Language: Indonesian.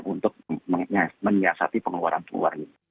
untuk menyiasati pengeluaran pengeluar ini